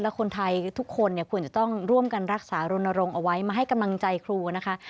และคนไทยทุกคนเนี่ยควรจะต้องร่วมกันรักษารณรงค์เอาไว้มาให้กำลังใจครูนะคะ